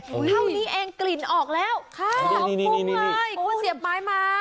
เท่านี้เองกลิ่นออกแล้วข้าวหอมกุ้งเลยคุณเสียบไม้มา